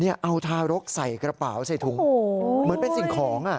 เอาทารกใส่กระเป๋าใส่ถุงเหมือนเป็นสิ่งของอ่ะ